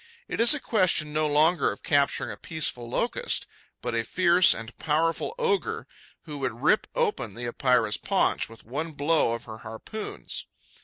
It is a question no longer of capturing a peaceful Locust, but a fierce and powerful ogre, who would rip open the Epeira's paunch with one blow of her harpoons.